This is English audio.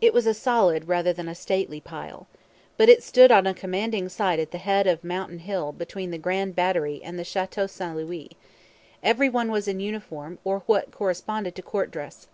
It was a solid rather than a stately pile. But it stood on a commanding site at the head of Mountain Hill between the Grand Battery and the Chateau St Louis. Every one was in uniform or in what corresponded to court dress.